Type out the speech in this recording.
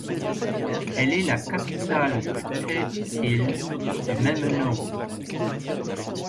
Elle est la capitale du tehsil du même nom.